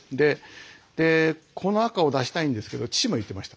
でこの赤を出したいんですけど父も言ってました。